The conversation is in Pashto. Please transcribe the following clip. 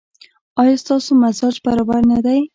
ایا ستاسو مزاج برابر نه دی؟